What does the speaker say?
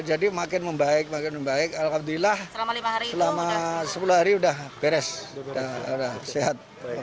jadi makin membaik makin membaik alhamdulillah selama sepuluh hari udah beres udah sehat